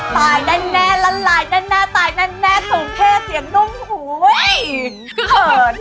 ตายนั้นแนะลัล่ายตายนั้นแนะสูงเครทเสียงนมหูเบ่ย